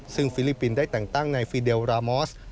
ซึ่งฟิลิปปินส์ได้แต่งตั้งในฟีเดลรามอส